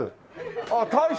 ああ大将。